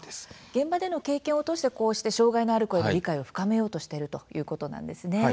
現場での経験を通してこうして障害のある子への理解を深めようとしているということなんですね。